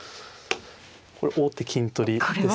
これ王手金取りですね。